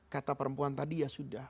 kata perempuan tadi ya sudah